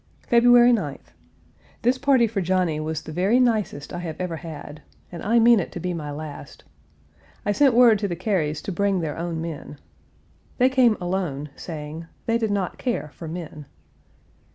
February 9th. This party for Johnny was the very nicest I have ever had, and I mean it to be my last. I sent word to the Carys to bring their own men. They came alone, saying, "they did not care for men."